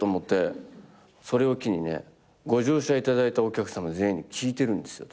「それを機にねご乗車いただいたお客さま全員に聞いてるんですよ」